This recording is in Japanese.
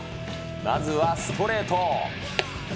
まずはストレート。